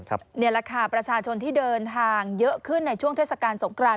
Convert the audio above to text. นี่แหละค่ะประชาชนที่เดินทางเยอะขึ้นในช่วงเทศกาลสงคราน